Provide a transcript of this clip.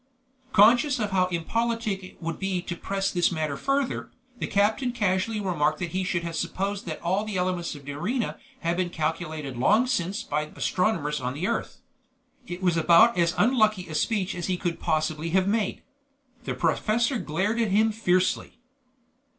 Conscious how impolitic it would be to press this matter further, the captain casually remarked that he should have supposed that all the elements of Nerina had been calculated long since by astronomers on the earth. It was about as unlucky a speech as he could possibly have made. The professor glared at him fiercely.